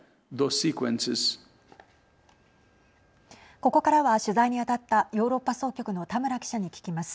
ここからは取材に当たったヨーロッパ総局の田村記者に聞きます。